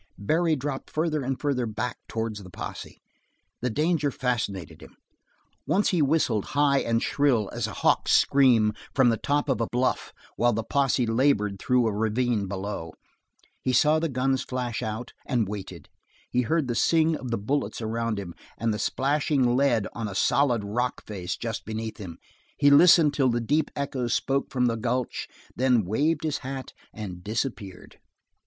Barry dropped further and further back towards the posse. The danger fascinated him. Once he whistled high and shrill as a hawk's scream from the top of a bluff while the posse labored through a ravine below. He saw the guns flash out, and waited. He heard the sing of the bullets around him, and the splashing lead on a solid rock face just beneath him; he listened till the deep echoes spoke from the gulch, then waved his hat and disappeared.